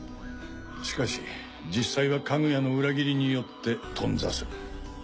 しかし実際はカグヤの裏切りによって頓挫する。